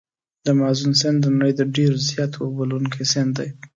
د مازون سیند د نړۍ د ډېر زیاتو اوبو لرونکي سیند دی.